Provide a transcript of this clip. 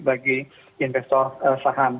bagi investor saham